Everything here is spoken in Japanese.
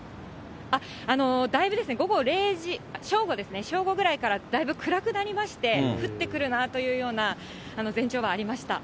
だいぶ正午ですね、正午ぐらいからだいぶ暗くなりまして、降ってくるなあというような前兆はありました。